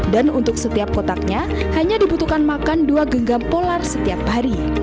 dan untuk setiap kotaknya hanya dibutuhkan makan dua genggam polar setiap hari